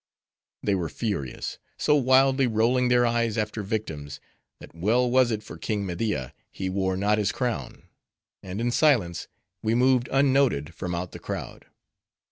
They were furious; so wildly rolling their eyes after victims, that well was it for King Media, he wore not his crown; and in silence, we moved unnoted from out the crowd.